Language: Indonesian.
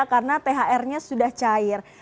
karena thr nya sudah cair